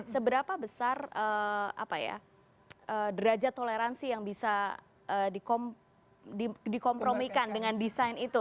seberapa besar derajat toleransi yang bisa dikompromikan dengan desain itu